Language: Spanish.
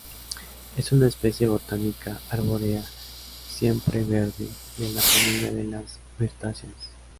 Es una especie botánica arbórea siempreverde de la familia de las mirtáceas.